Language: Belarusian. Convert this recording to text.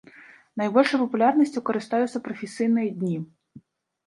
Найбольшай папулярнасцю карыстаюцца прафесійныя дні.